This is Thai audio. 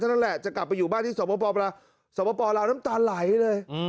นั่นแหละจะกลับไปอยู่บ้านที่สปลาวสปลาวน้ำตาไหลเลย